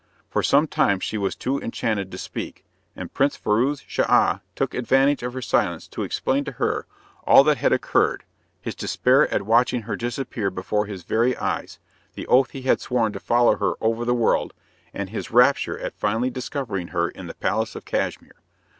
For some time she was too enchanted to speak, and Prince Firouz Schah took advantage of her silence to explain to her all that had occurred, his despair at watching her disappear before his very eyes, the oath he had sworn to follow her over the world, and his rapture at finally discovering her in the palace at Cashmere.